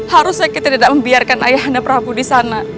harusnya kita tidak membiarkan ayah anda prabu di sana